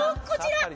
こちら。